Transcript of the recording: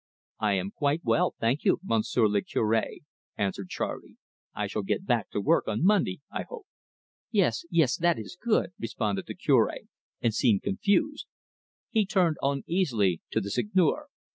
"I am quite well, thank you, Monsieur le Cure," answered Charley. "I shall get back to work on Monday, I hope." "Yes, yes, that is good," responded the Cure, and seemed confused. He turned uneasily to the Seigneur.